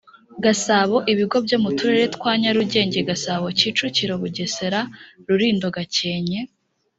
gasabo ibigo byo mu turere twa nyarugenge gasabo kicukiro bugesera rulindo gakenke